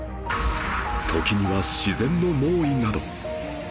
時には自然の猛威など